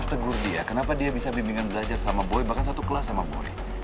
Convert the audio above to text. tegur dia kenapa dia bisa bimbingan belajar sama boy bahkan satu kelas sama boe